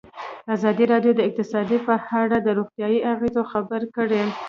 ازادي راډیو د اقتصاد په اړه د روغتیایي اغېزو خبره کړې.